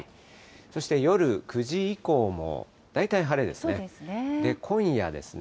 そして夜９時以降も、大体晴れですね。